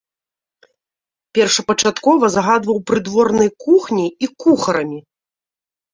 Першапачаткова загадваў прыдворнай кухняй і кухарамі.